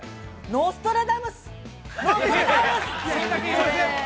ノストラダムス！